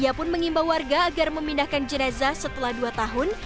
ia pun mengimbau warga agar memindahkan jenazah setelah dua tahun